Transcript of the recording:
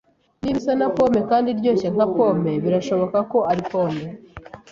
Niba isa na pome kandi iryoshye nka pome, birashoboka ko ari pome.